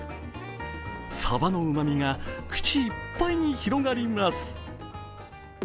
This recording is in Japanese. さばのうまみが口いっぱいに広がります。